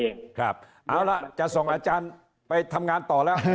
เอาล่ะจะส่งอาจารย์ไปทำงานต่อแล้ว